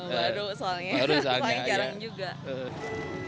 waduh soalnya paling jarang juga